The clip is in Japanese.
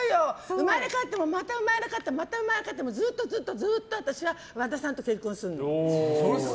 生まれ変わってもまた生まれ変わってもずっとずっと私は和田さんと結婚するの。